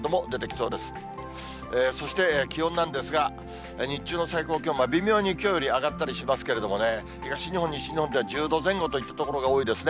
そして気温なんですが、日中の最高気温は、微妙にきょうより上がったりしますけれども、東日本、西日本では１０度前後といった所が多いですね。